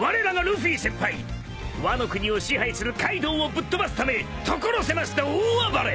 ワノ国を支配するカイドウをぶっ飛ばすため所狭しと大暴れ。